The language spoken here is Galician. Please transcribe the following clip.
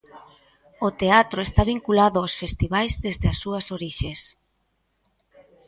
O teatro está vinculado aos festivais desde as súas orixes.